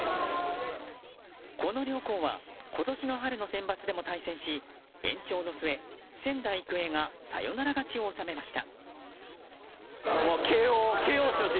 この両校は今年の春のセンバツでも対戦し延長の末、仙台育英がサヨナラ勝ちを収めました。